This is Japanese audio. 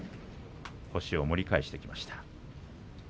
星を盛り返してきました。